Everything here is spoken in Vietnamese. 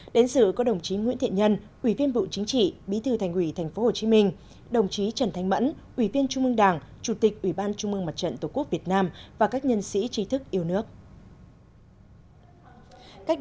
đến dự có đồng chí nguyễn thiện nhân ủy viên bộ chính trị bí thư thành ủy tp hcm đồng chí trần thanh mẫn ủy viên trung mương đảng chủ tịch ủy ban trung mương mặt trận tổ quốc việt nam và các nhân sĩ trí thức yêu nước